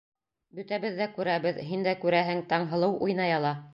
Бөтәбеҙ ҙә күрәбеҙ, һин дә күрәһең: Таңһылыу уйнай ала!